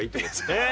えっ！